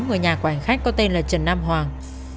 người nhà quản khách có tên là trần nam hoàng